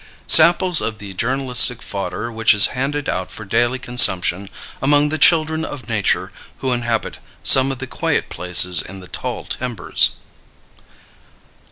Samples of the Journalistic Fodder Which Is Handed Out for Daily Consumption Among the Children of Nature Who Inhabit Some of the Quiet Places in the Tall Timbers.